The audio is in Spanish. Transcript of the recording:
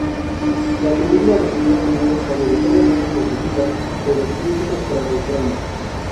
La película recibió opiniones mayoritariamente positivas de los críticos tras su estreno.